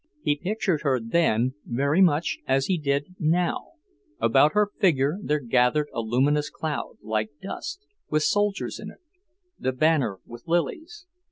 He pictured her then very much as he did now; about her figure there gathered a luminous cloud, like dust, with soldiers in it... the banner with lilies...